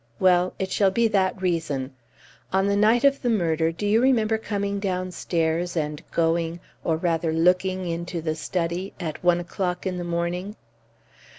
Well, it shall be that reason. On the night of the murder do you remember coming downstairs and going or rather looking into the study at one o'clock in the morning?"